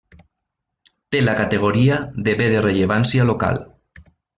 Té la categoria de Bé de Rellevància Local.